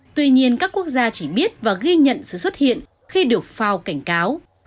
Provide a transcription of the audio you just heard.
tuy nhiên các quốc gia chỉ biết và ghi nhận sự xuất hiện khi được phao cảnh cáo